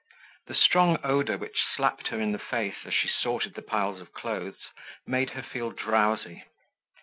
The strong odor which slapped her in the face as she sorted the piles of clothes made her feel drowsy.